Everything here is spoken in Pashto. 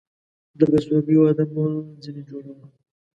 د بسوگى واده مه ځيني جوړوه.